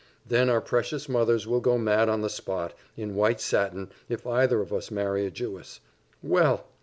Then our precious mothers will go mad on the spot, in white satin, if either of us marry a Jewess. Well!